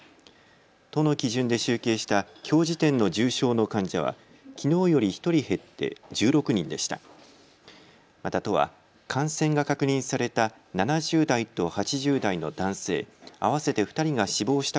都の基準で集計したきょう時点の重症の患者はきのうより１人減って１６人でした。